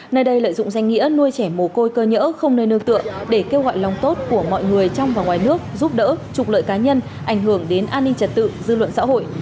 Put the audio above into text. nơi đây lợi dụng danh nghĩa nuôi trẻ mồ côi cơ nhỡ không nơi nương tựa để kêu gọi lòng tốt của mọi người trong và ngoài nước giúp đỡ trục lợi cá nhân ảnh hưởng đến an ninh trật tự dư luận xã hội